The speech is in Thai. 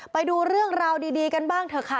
ไปดูเรื่องราวดีกันบ้างเถอะค่ะ